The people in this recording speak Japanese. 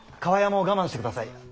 厠も我慢してください。